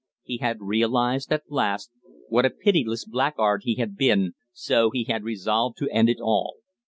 He had realized, at last, what a pitiless blackguard he had been, so he had resolved to end it all.